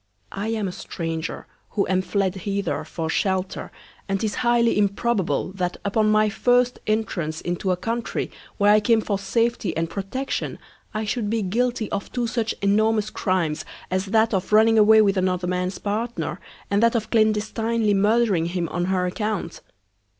I am a Stranger, who am fled hither for Shelter, and 'tis highly improbable, that upon my first Entrance into a Country, where I came for Safety and Protection, I should be guilty of two such enormous Crimes, as that of running away with another Man's Partner, and that of clandestinely murdering him on her Account.